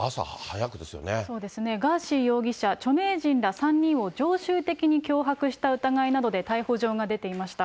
そうですね、ガーシー容疑者、著名人ら３人を常習的に脅迫した疑いなどで逮捕状が出ていました。